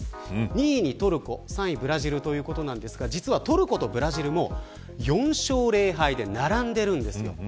２位にトルコ、３位にブラジルということですが実はトルコとブラジルも４勝０敗で並んでいるんです。